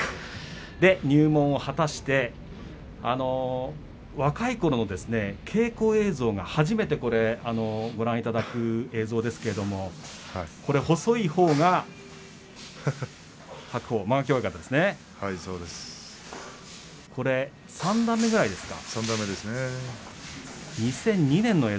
入門を果たして若いころの稽古映像が初めてご覧いただく映像ですけれども細いほうが白鵬、間垣親方ですね。